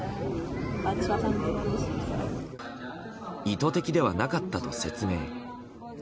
意図的ではなかったと説明。